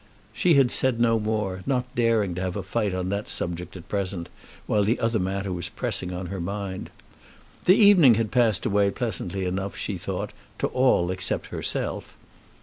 She had said no more, not daring to have a fight on that subject at present, while the other matter was pressing on her mind. The evening had passed away pleasantly enough, she thought, to all except herself.